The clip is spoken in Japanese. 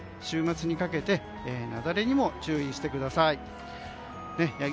週末にかけて雪崩にも注意してください。